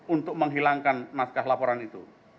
untuk menghilangkan naskah laporan itu